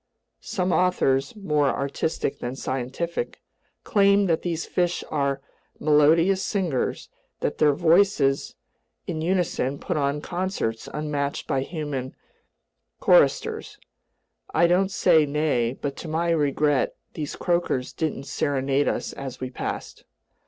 Some authors—more artistic than scientific—claim that these fish are melodious singers, that their voices in unison put on concerts unmatched by human choristers. I don't say nay, but to my regret these croakers didn't serenade us as we passed.